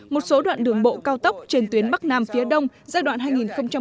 một số đoạn đường bộ cao tốc trên tuyến bắc nam phía đông giai đoạn hai nghìn một mươi tám hai nghìn hai mươi